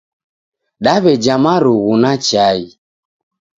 Daweja marugu na chai